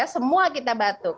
semua kita batuk